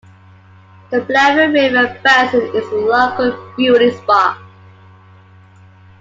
The Blavet river bassin is a local beauty spot.